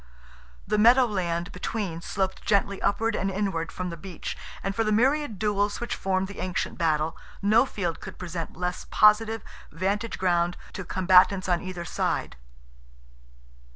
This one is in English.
The meadow land between sloped gently upward and inward from the beach, and for the myriad duels which formed the ancient battle, no field could present less positive vantage ground to combatants on either side.